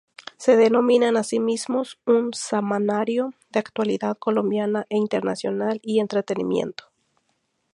Se denominan a sí mismos un "semanario de actualidad colombiana e internacional y entretenimiento".